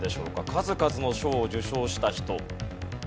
数々の賞を受賞した人。